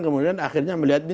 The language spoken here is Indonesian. kemudian akhirnya melihat ini